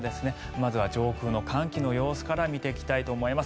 まずは上空の寒気の様子から見ていきたいと思います。